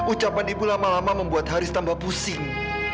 ucapan ibu lama lama membuat haris tambah pusing